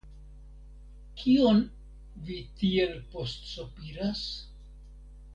Kion vi tiel postsopiras?